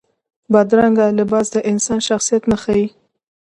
بدرنګه لباس د انسان شخصیت نه ښيي